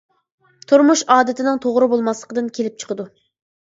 تۇرمۇش ئادىتىنىڭ توغرا بولماسلىقىدىن كېلىپ چىقىدۇ.